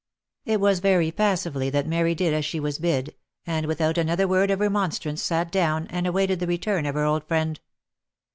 It was very passively that Mary did as she was bid, and without another word of remonstrance sat down and awaited the return of her old friend.